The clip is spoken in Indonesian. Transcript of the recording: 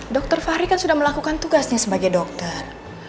dokter fahri kan sudah melakukan tugasnya sebagai dokter